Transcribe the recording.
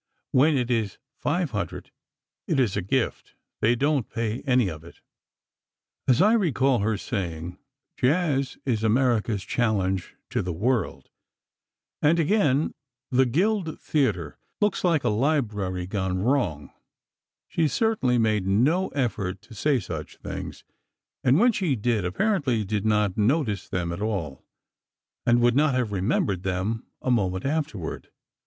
When it is five hundred, it is a gift—they don't pay any of it." And I recall her saying: "Jazz is America's challenge to the world." And again: "The Guild Theatre looks like a library gone wrong." She certainly made no effort to say such things, and when she did, apparently did not notice them at all, and would not have remembered them a moment afterward.